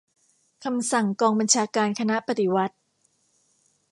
คำสั่งกองบัญชาการคณะปฏิวัติ